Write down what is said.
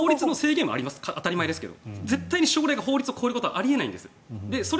法律の制限は当たり前ですが絶対に省令が法律を超えることはないんです。